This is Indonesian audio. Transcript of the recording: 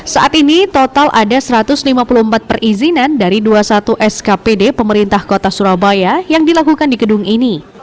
saat ini total ada satu ratus lima puluh empat perizinan dari dua puluh satu skpd pemerintah kota surabaya yang dilakukan di gedung ini